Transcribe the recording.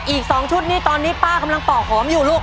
อีก๒ชุดนี้ตอนนี้ป้ากำลังปอกหอมอยู่ลูก